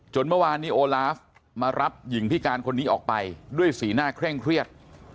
เมื่อวานนี้โอลาฟมารับหญิงพิการคนนี้ออกไปด้วยสีหน้าเคร่งเครียด